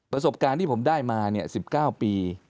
ประสบการณ์ที่ผมได้มา๑๙ปี